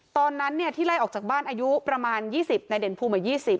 ตอนนั้นที่ไล่ออกจากบ้านอายุประมาณ๒๐นายเด่นภูมิมา๒๐